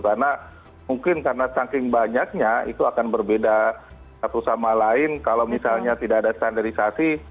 karena mungkin karena saking banyaknya itu akan berbeda satu sama lain kalau misalnya tidak ada standarisasi